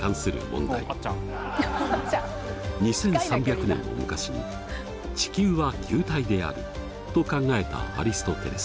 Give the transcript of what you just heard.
２，３００年も昔に地球は球体であると考えたアリストテレス。